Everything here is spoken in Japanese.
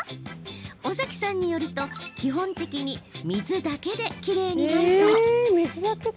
尾崎さんによると、基本的に水だけできれいになるそう。